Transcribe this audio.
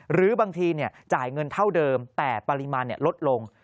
หรือบางทีจ่ายเงินเท่าเดิมแต่ปริมาณลดลง